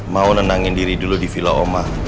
mau nenangin diri dulu di villa oma